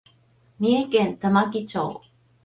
三重県玉城町